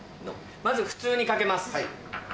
まず普通にかけます。